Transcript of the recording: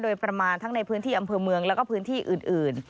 โดยประมาณทั้งในพื้นที่อำเภอเมืองแล้วก็พื้นที่อื่น